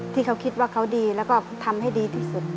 ที่เขาคิดว่าเขาดีแล้วก็ทำให้ดีที่สุด